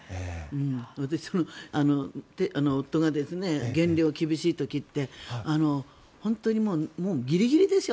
私、夫が減量が厳しい時って本当にギリギリですよ。